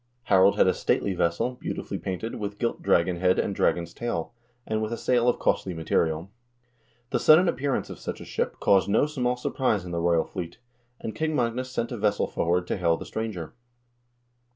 Harald had a stately vessel, beautifully painted, with gilt dragon head and dragon's tail, and with a sail of costly material. The sudden appear ance of such a ship caused no small surprise on the royal fleet, and King Magnus sent a vessel forward to hail the stranger.